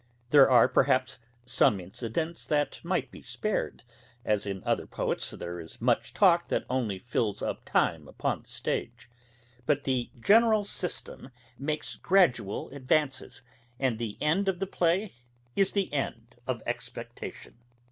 There are perhaps some incidents that might be spared, as in other poets there is much talk that only fills up time upon the stage; but the general system makes gradual advances, and the end of the play is the end of expectation.